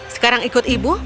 sekarang ikut ibu